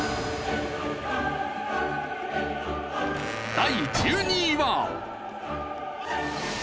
第１２位は。